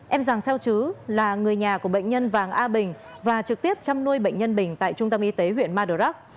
em giàng xeo chứ là người nhà của bệnh nhân vàng a bình và trực tiếp chăm nuôi bệnh nhân bình tại trung tâm y tế huyện madurak